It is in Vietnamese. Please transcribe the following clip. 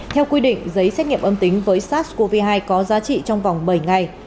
theo quy định giấy xét nghiệm âm tính với sars cov hai có giá trị trong vòng bảy ngày